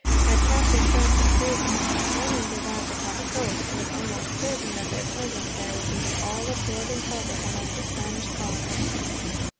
Had Captain Francis Drake and his companions arrived upon the coast, it was almost certain that their presence there would be the all absorbing topic among the Spanish colonists.